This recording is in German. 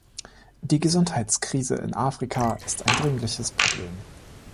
Die Gesundheitskrise in Afrika ist ein dringliches Problem.